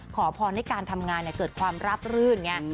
ขอพรให้การทำงานเกิดความราบรื่นไง